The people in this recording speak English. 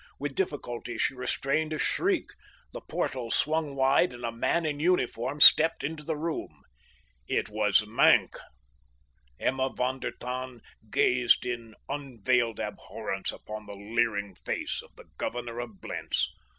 With difficulty she restrained a shriek. The portal swung wide and a man in uniform stepped into the room. It was Maenck. Emma von der Tann gazed in unveiled abhorrence upon the leering face of the governor of Blentz.